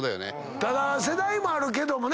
ただ世代もあるけどもね。